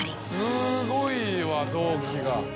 すごいわ同期が。